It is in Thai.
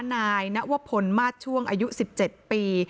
นายนวพลมาสช่วงอายุ๑๗ปี